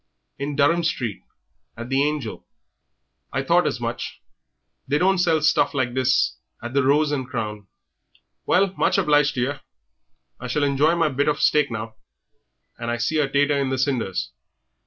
"In Durham street, at the 'Angel.'" "I thought as much; they don't sell stuff like this at the 'Rose and Crown.' Well, much obliged to yer. I shall enjoy my bit of steak now; and I see a tater in the cinders.